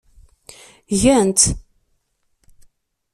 Gan-tt.